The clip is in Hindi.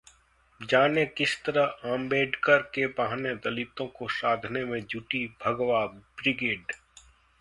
जानें किस तरह आंबेडकर के बहाने दलितों को साधने में जुटी भगवा ब्रिगेड